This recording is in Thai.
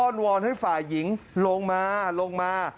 นวอนให้ฝ่ายหญิงลงมาลงมา